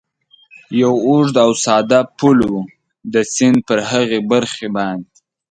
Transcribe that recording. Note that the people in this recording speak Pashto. یو اوږد او ساده پل و، د سیند پر هغې برخې باندې.